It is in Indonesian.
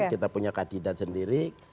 kita punya kadidat sendiri